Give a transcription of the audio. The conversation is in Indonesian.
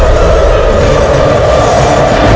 dan menghentikan raiber